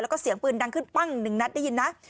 แล้วก็เสียงปืนดังขึ้นปั้งหนึ่งนัดได้ยินนะ